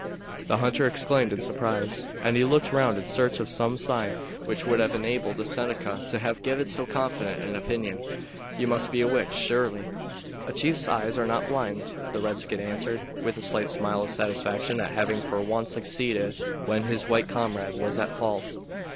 the hunter exclaimed in surprise, and he looked round in search of some sign which would have enabled the Seneca to have given so confident an opinion. "You must be a witch, surely." "A chief's eyes are not blind," the redskin answered, with a slight smile of satisfaction at having for once succeeded when his white comrade was at fault.